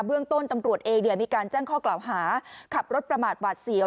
เรื่องต้นตำรวจเองมีการแจ้งข้อกล่าวหาขับรถประมาทหวาดเสียว